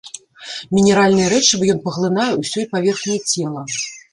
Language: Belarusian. Мінеральныя рэчывы ён паглынае ўсёй паверхняй цела.